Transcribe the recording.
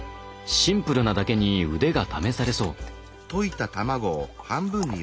シンプルなだけに腕が試されそう。